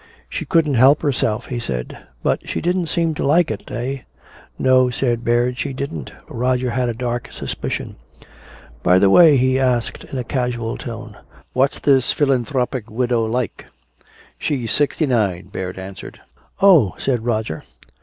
"She couldn't help herself," he said. "But she didn't seem to like it, eh " "No," said Baird, "she didn't." Roger had a dark suspicion. "By the way," he asked in a casual tone, "what's this philanthropic widow like?" "She's sixty nine," Baird answered. "Oh," said Roger.